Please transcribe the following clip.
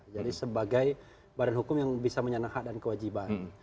jadi sebagai badan hukum yang bisa menyenangkan hak dan kewajiban